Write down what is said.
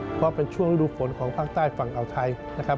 เพราะเป็นช่วงฤดูฝนของภาคใต้ฝั่งอ่าวไทยนะครับ